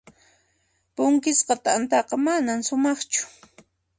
Punkisqa t'antaqa manan sumaqchu.